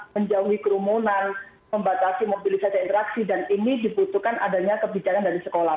menjauhi kerumunan membatasi mobilisasi interaksi dan ini dibutuhkan adanya kebijakan dari sekolah